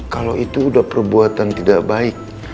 kalau itu sudah perbuatan tidak baik